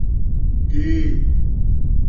ڄ